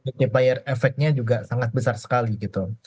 dan multiplier efeknya juga sangat besar sekali gitu